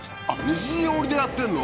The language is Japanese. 西陣織でやってんの？